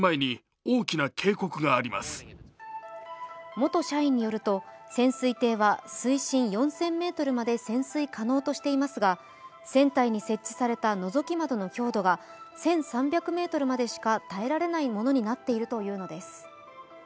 元社員によると潜水艇は水深４０００ｍまで潜水可能としていますが、船体に設置されたのぞき窓の強度が１３００ｍまでしか耐えられないものになっているというのです。